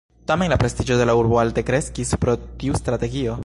Tamen la prestiĝo de la urbo alte kreskis pro tiu strategio.